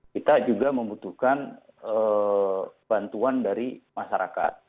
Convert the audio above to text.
kita juga membutuhkan bantuan dari masyarakat